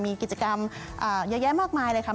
มีกิจกรรมเยอะแยะมากมายเลยค่ะ